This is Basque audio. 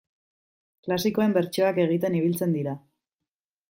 Klasikoen bertsioak egiten ibiltzen dira.